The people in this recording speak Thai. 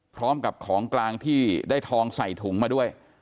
พร้อมกับของกลางที่ได้ทองใส่ถุงมาด้วย